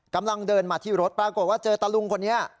กำลังเดินมาที่รถปรากฏว่าเจอตะลุงคนนี้